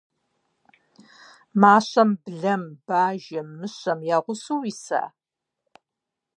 - Мащэм блэм, бажэм, мыщэм я гъусэу уиса?